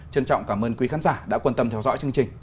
trân trọng cảm ơn quý khán giả đã quan tâm theo dõi chương trình